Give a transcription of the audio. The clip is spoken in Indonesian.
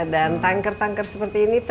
dan tanker tanker seperti ini